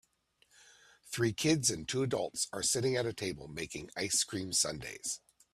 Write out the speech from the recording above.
Three kids and two adults are sitting at a table making ice cream sundaes